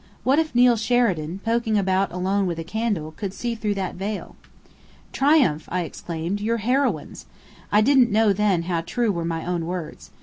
What if Neill Sheridan, poking about alone with a candle, could see through that veil? "Triumph!" I exclaimed. "You're heroines!" (I didn't know then how true were my own words.)